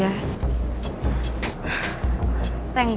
gak ada yang putus